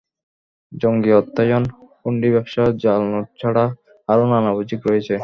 জঙ্গি অর্থায়ন, হুন্ডি ব্যবসা, জাল নোট ছাড়া আরও নানা অভিযোগ রয়েছে।